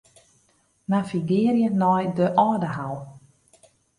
Navigearje nei de Aldehou.